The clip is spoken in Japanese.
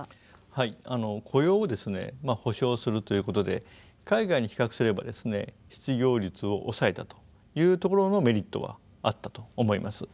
はい雇用を保障するということで海外に比較すればですね失業率を抑えたというところのメリットはあったと思います。